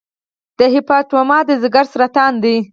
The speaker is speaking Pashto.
د هیپاټوما د ځګر سرطان دی.